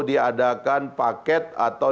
diadakan paket atau